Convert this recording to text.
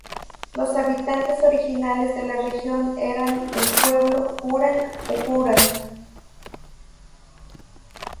Los habitantes originales de la región eran el pueblo Gurang-Gurang.